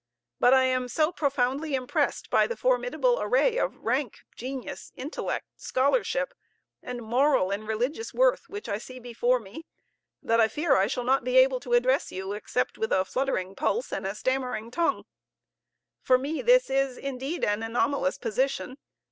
But I am so profoundly impressed by the formidable array of rank, genius, intellect, scholarship, and moral and religious worth which I see before me, that I fear I shall not be able to address you, except with a fluttering pulse and a stammering tongue. For me this is, indeed, an anomalous position.